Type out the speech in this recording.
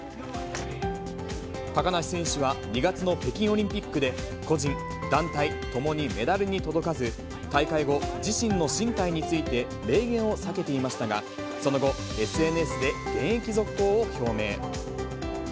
高梨選手は、２月の北京オリンピックで、個人、団体ともにメダルに届かず、大会後、自身の進退について明言を避けていましたが、その後、ＳＮＳで現役続行を表明。